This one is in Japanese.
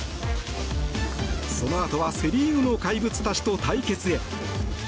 そのあとはセ・リーグの怪物たちと対決へ。